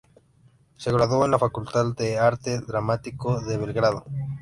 Se graduó en la Facultad de Arte Dramático de Belgrado.